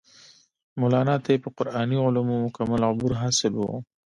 مولانا ته پۀ قرآني علومو مکمل عبور حاصل وو